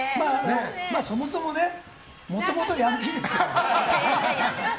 そもそももともとヤンキーですから。